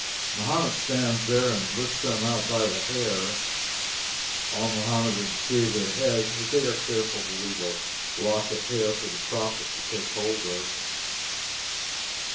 Mahomet stands there and lifts them out by the hair. All Mohammedans shave their heads, but they are careful to leave a lock of hair for the Prophet to take hold of.